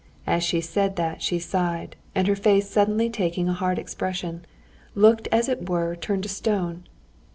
As she said that she sighed, and her face suddenly taking a hard expression, looked as it were turned to stone.